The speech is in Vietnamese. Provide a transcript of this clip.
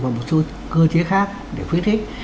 và một số cơ chế khác để khuyến khích